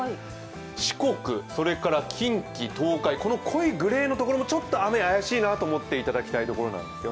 四国、それから近畿、東海、この濃いグレーのところもちょっと雨が怪しいなと思っていただきたい所なんです。